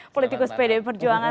politikus pdi perjuangan